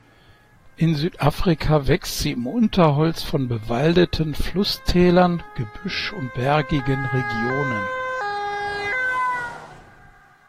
In Südafrika wächst sie im Unterholz von bewaldeten Flusstälern, Gebüsch und bergigen Regionen.